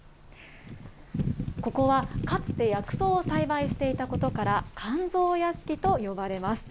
ここは、かつて薬草を栽培していたことから、甘草屋敷と呼ばれます。